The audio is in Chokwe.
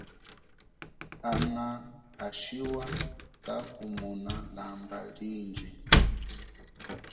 Ana ashiwa kakumona lamba lindji.